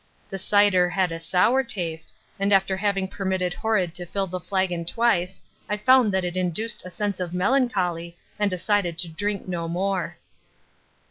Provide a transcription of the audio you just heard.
The cider had a sour taste, and after having permitted Horrod to refill the flagon twice I found that it induced a sense of melancholy and decided to drink no more.